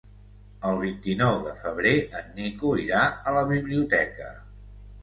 El vint-i-nou de febrer en Nico irà a la biblioteca.